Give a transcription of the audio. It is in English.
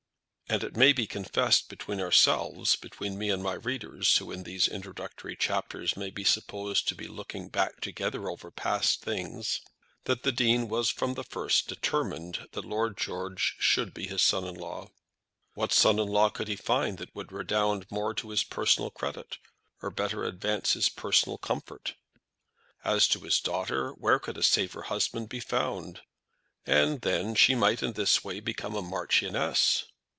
And it may be confessed between ourselves, between me and my readers, who in these introductory chapters may be supposed to be looking back together over past things, that the Dean was from the first determined that Lord George should be his son in law. What son in law could he find that would redound more to his personal credit, or better advance his personal comfort. As to his daughter, where could a safer husband be found! And then she might in this way become a marchioness!